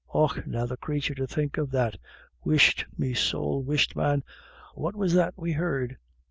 M Och now, the crathur, to think of that — Whisht — mesowl — whisht man; what was that we heard?"